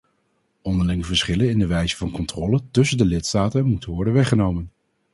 Onderlinge verschillen in de wijze van controle tussen de lidstaten moeten worden weggenomen.